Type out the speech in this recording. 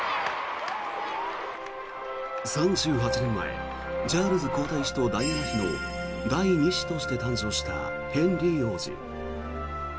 ３８年前チャールズ皇太子とダイアナ妃の第２子として誕生したヘンリー王子。